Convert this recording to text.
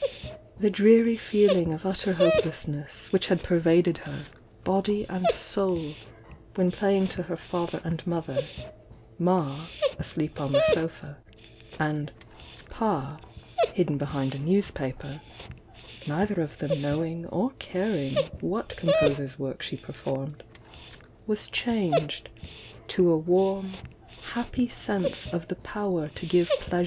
The dreary feeling of utter hopelessness which had pervaded her, body and soul, when playing to her father and mother, "Ma" asleep on the sofa, and "Pa" hidden behind a newspaper, neither of them knowing or caring what composer's work she per formed, was changed to a warm, happy sense of the power to give plea.